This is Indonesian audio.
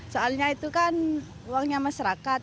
soalnya itu kan uangnya masyarakat